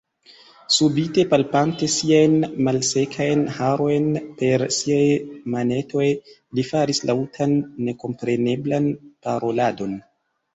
Subite palpante siajn malsekajn harojn per siaj manetoj, li faris laŭtan, nekompreneblan paroladon.